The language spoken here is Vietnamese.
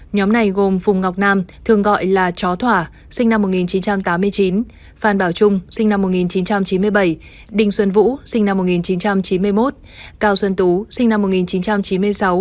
nhóm này gồm phùng ngọc nam thường gọi là chó thỏa sinh năm một nghìn chín trăm tám mươi chín phan bảo trung sinh năm một nghìn chín trăm chín mươi bảy đình xuân vũ sinh năm một nghìn chín trăm chín mươi một cao xuân tú sinh năm một nghìn chín trăm chín mươi sáu